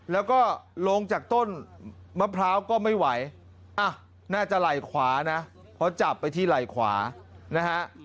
แล้วก็ลงจากต้นมะพร้าวก็ไม่ไหวอ่ะน่าจะไหล่ขวานะเพราะจับไปที่ไหล่ขวานะฮะ